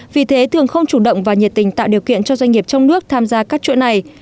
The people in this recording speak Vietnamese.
vì thế thường không chủ động và nhiệt tình tạo điều kiện cho doanh nghiệp trong nước tham gia các chuỗi này